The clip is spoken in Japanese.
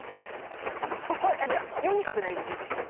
ここ４二角成でもいいですよ。